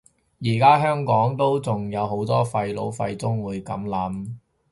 而家香港都仲有好多廢老廢中會噉諗